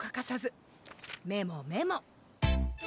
メモメモ。